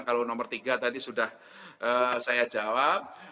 kalau nomor tiga tadi sudah saya jawab